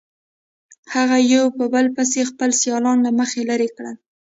هغه یو په بل پسې خپل سیالان له مخې لرې کړل.